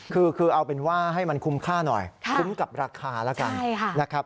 คือเอาเป็นว่าให้มันคุ้มค่าหน่อยคุ้มกับราคาแล้วกันนะครับ